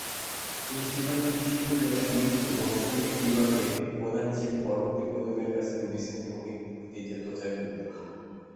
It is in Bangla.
তিনি শিবাজি বিশ্ববিদ্যালয়ের ডিন এবং সংগীত বিভাগের প্রধান হিসাবে পরবর্তী প্রজন্মের কাছে হিন্দুস্তানি সংগীত ঐতিহ্যের প্রচারে জড়িত।